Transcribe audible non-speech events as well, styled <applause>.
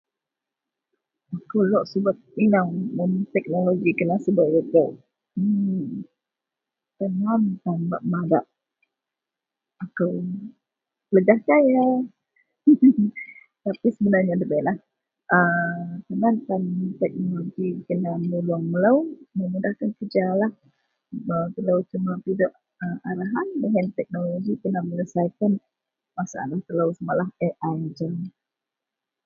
akou lok subet inou mun teknologi kena subet lebok emm tan aan tan bak madak akou.. <unintelligible> hehe tapi sebenarnya dabeilah aa tan aan tan teknologi kena menulung melo memudahkan kerjalah bahwa telo kena pidok a arahan baih teknologi kena menyelesaikan masaalah telou samalah Ai ji ien